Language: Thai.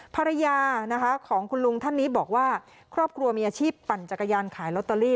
ภรรยานะคะของคุณลุงท่านนี้บอกว่าครอบครัวมีอาชีพปั่นจักรยานขายลอตเตอรี่